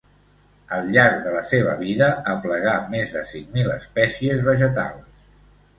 Al llarg de la seva vida aplegà més de cinc mil espècies vegetals.